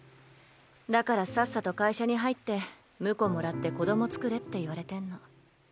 だからさっさと会社に入って婿もらって子どもつくれって言われてんの。